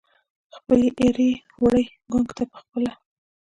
خپلې ایرې وړي ګنګ ته پخپله